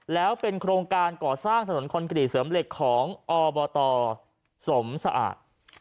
แล้วเป็นโครงการก่อสร้างถนนคอนกรีตเสริมเหล็กของอบตสมสะอาด